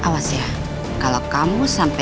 masalahnya oro classmates